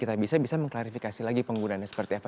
kita bisa mengklarifikasi lagi penggunaannya seperti apa